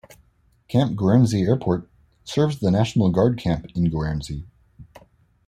Camp Guernsey Airport serves the National Guard camp in Guernsey.